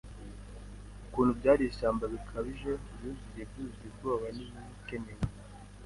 Ukuntu byari ishyamba bikabije byuzuye byuzuye ubwoba nibikenewe